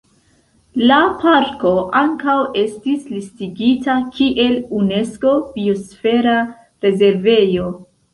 La parko ankaŭ estis listigita kiel Unesko Biosfera Rezervejo.